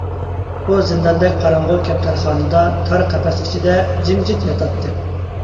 ئۇ زىنداندەك قاراڭغۇ كەپتەرخانىدا، تار قەپەس ئىچىدە جىمجىت ياتاتتى.